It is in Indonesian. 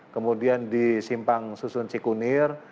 kemudian di simpang susun cikunir